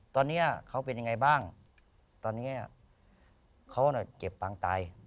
ตอนนี้เขาเป็นยังไงบ้างตอนนี้เขาเจ็บปางตาย